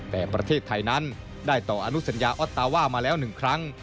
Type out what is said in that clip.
แต่ประเทศไทยนั้นได้ต่ออนุสัญญาออสตาว่ามาแล้ว๑ครั้ง